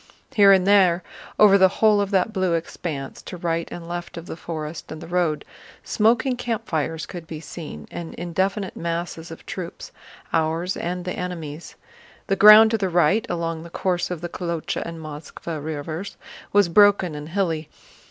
Here and there over the whole of that blue expanse, to right and left of the forest and the road, smoking campfires could be seen and indefinite masses of troops—ours and the enemy's. The ground to the right—along the course of the Kolochá and Moskvá rivers—was broken and hilly.